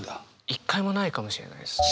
一回もないかもしれないですね。